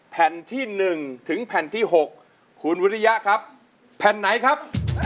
แผ่นที่๑ถึงแผ่นที่๖คุณวิริยะครับแผ่นไหนครับ